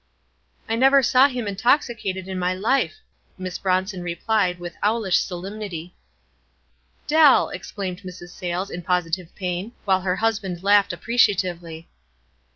"I never saw him intoxicated in my life," Miss Bronson replied, with owlish solemnity. "Dell!" exclaimed Mrs. Suyles in positive pain, while her husband laughed appreciatively.